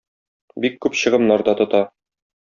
Бик күп чыгымнар да тота.